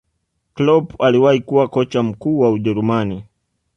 Kloop aliwahi kuwa kocha mkuu wa ujerumani